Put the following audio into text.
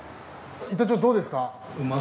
板長どうですか？